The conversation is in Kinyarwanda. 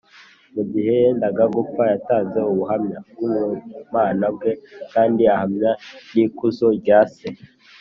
mu gihe yendaga gupfa, yatanze ubuhamya bw’ubumana bwe kandi ahamya n’ikuzo rya se